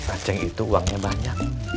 aceng itu uangnya banyak